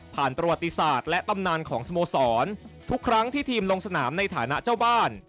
ประวัติศาสตร์และตำนานของสโมสรทุกครั้งที่ทีมลงสนามในฐานะเจ้าบ้าน